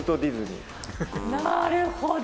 なるほど！